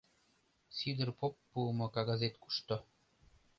Сидыр поп пуымо кагазет кушто?